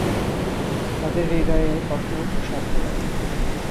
তাদের হৃদয়ের কখনও প্রসার হবে না।